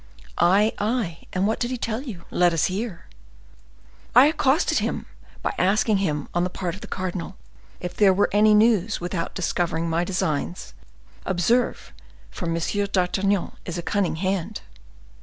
"Ay, ay! and what did he tell you? Let us hear." "I accosted him by asking him, on the part of the cardinal, if there were any news, without discovering my designs, observe, for M. d'Artagnan is a cunning hand.